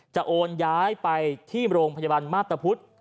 โอนย้ายไปที่โรงพยาบาลมาพตะพุธ